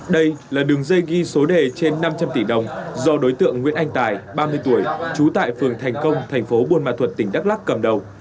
đây là đường dây ghi số đề trên năm trăm linh tỷ đồng do đối tượng nguyễn anh tài ba mươi tuổi trú tại phường thành công thành phố buôn ma thuật tỉnh đắk lắc cầm đầu